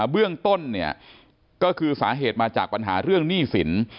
เบื้องต้นเนี่ยก็คือสาเหตุมาจากปัญหาเรื่องหนี้สิน